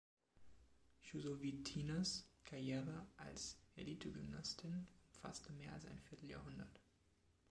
Chusovitinas Karriere als Elitegymnastin umfasste mehr als ein Vierteljahrhundert.